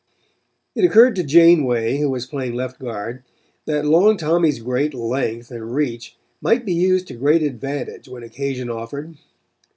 It occurred to Janeway, who was playing left guard, that Long Tommy's great length and reach might be used to great advantage when occasion offered.